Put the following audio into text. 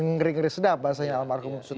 ngeri ngeri sedap bahasanya almarhum sutan batugan